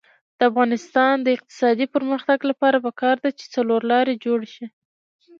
د افغانستان د اقتصادي پرمختګ لپاره پکار ده چې څلورلارې جوړې شي.